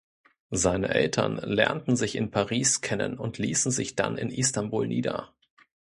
Seine Eltern lernten sich in Paris kennen und ließen sich dann in Istanbul nieder.